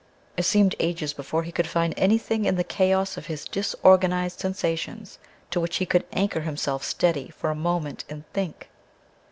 It seemed ages before he could find anything in the chaos of his disorganized sensations to which he could anchor himself steady for a moment, and think